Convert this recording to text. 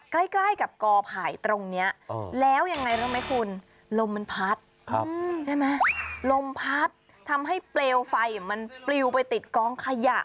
ใกล้กับกออผ่ายตรงเนี้ยแล้วยังไงได้มั้ยคุณลมมันพัดใช่ม่ะลมพัดทำให้เปรียวไฟเนี่ยมันปริ๋วไปติดก้องขยะ